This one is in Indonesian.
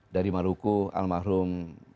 dari maluku al mahrum